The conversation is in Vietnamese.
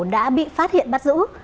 đã bị phát hiện bắt giữ